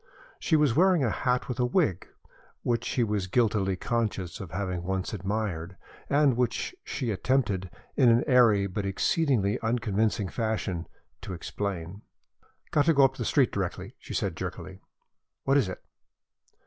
She was wearing a hat with a wing, which he was guiltily conscious of having once admired, and which she attempted, in an airy but exceedingly unconvincing fashion, to explain. "Got to go up the street directly," she said, jerkily. "What is it?"